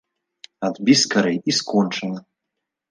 Адбі скарэй, і скончана.